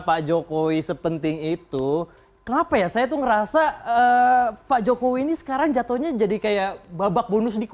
pak jokowi sepenting itu kenapa ya saya tuh ngerasa pak jokowi ini sekarang jatuhnya jadi kayak babak bonus di